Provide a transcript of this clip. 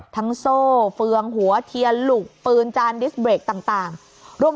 โซ่เฟืองหัวเทียนหลุกปืนจานดิสเบรกต่างร่วม